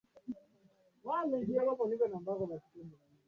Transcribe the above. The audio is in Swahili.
Raisi Daniel Arap Moi alimpa cheocha mwenyekiti wa bodi ya utalii